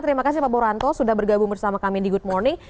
terima kasih pak boranto sudah bergabung bersama kami di good morning